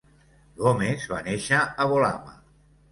Gomes va néixer a Bolama.